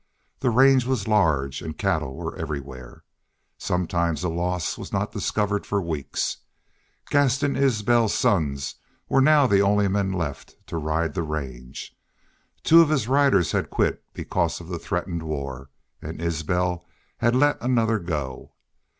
The range was large and cattle were everywhere. Sometimes a loss was not discovered for weeks. Gaston Isbel's sons were now the only men left to ride the range. Two of his riders had quit because of the threatened war, and Isbel had let another go.